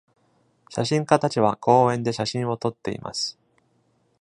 写真家たちは公園で写真を撮っています